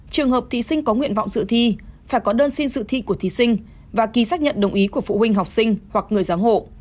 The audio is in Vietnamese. trường hợp thí sinh có nguyện vọng dự thi phải có đơn xin dự thi của thí sinh và ký xác nhận đồng ý của phụ huynh học sinh hoặc người giám hộ